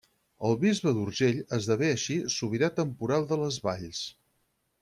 El bisbe d'Urgell esdevé així sobirà temporal de les valls.